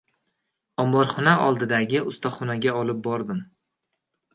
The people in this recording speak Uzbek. Omborxona oldidagi ustaxonaga olib bordim.